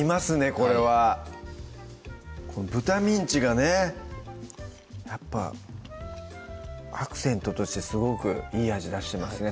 これはこの豚ミンチがねやっぱアクセントとしてすごくいい味出してますね